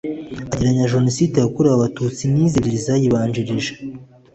Agereranya Jenoside yakorewe Abatutsi n’izo ebyiri zayibanjirije